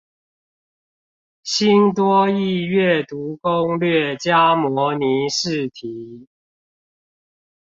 新多益閱讀攻略加模擬試題